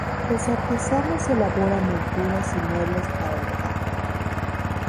Los artesanos elaboran monturas y muebles para el hogar.